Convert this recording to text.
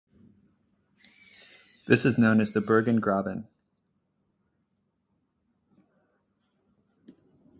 This is known as the Burgan Graben.